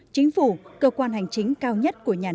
chính phủ cơ quan hành chính cao nhất của nhà nước